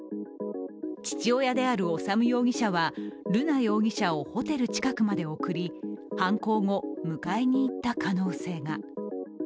父親である修容疑者は瑠奈容疑者をホテル近くまで送り、犯行後、迎えに行った可能性が。